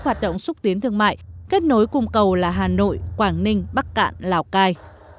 hoạt động xúc tiến thương mại kết nối cùng cầu là hà nội quảng ninh bắc cạn lào cai